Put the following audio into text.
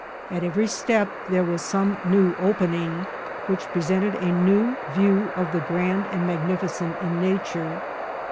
At every step there was some new opening, which presented a new view of the grand and magnificent in nature.